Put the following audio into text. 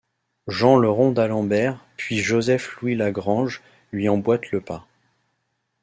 Jean le Rond d'Alembert puis Joseph-Louis Lagrange lui emboîtent le pas.